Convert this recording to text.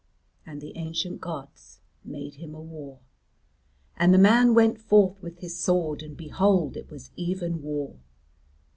And the ancient gods made him a war. And the man went forth with his sword, and behold it was even war.